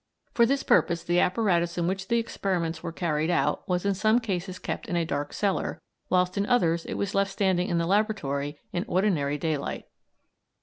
For this purpose the apparatus in which the experiments were carried out was in some cases kept in a dark cellar, whilst in others it was left standing in the laboratory in ordinary daylight.